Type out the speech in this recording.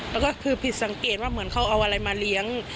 แล้วก็คือผิดสังเกตว่าเหมือนเขาเอาอะไรมาเลี้ยง